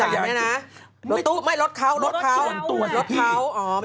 อเรนนี่ท์เราก็ลดตัวเพื่อนอีก